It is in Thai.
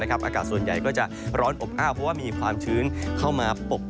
อากาศส่วนใหญ่ก็จะร้อนอบอ้าวเพราะว่ามีความชื้นเข้ามาปก